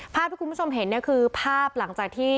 ภาพที่คุณผู้ชมเห็นเนี่ยคือภาพหลังจากที่